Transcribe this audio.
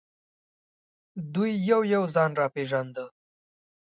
دوی یو یو ځان را پېژانده.